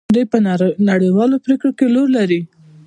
دوی په نړیوالو پریکړو کې رول لري.